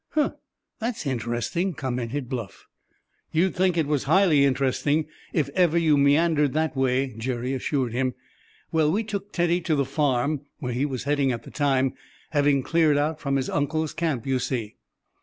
"Huh! that's interesting!" commented Bluff. "You'd think it was highly interesting, if ever you meandered that way," Jerry assured him. "Well, we took Teddy to the farm, where he was heading at the time, having cleared out from his uncle's camp, you see."